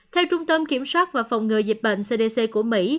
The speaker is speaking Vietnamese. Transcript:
theo trung tâm kiểm soát và phòng ngừa dịch bệnh cdc của mỹ